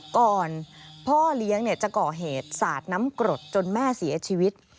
พ่อเลี้ยงจะก่อเหตุสาดน้ำกรดจนแม่เสียชีวิต